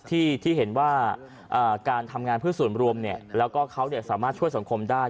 ที่เห็นว่าการทำงานเพื่อส่วนรวมแล้วก็เขาสามารถช่วยสังคมได้